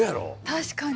確かに。